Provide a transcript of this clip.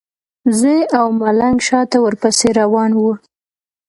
زه او ملنګ شاته ورپسې روان وو.